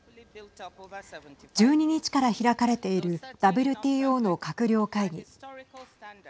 １２日から開かれているＷＴＯの閣僚会議。